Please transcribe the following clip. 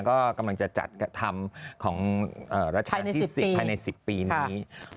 ก็กำลังจะจัดกระทำของราชาธิสิทธิ์ภายใน๑๐ปีนี้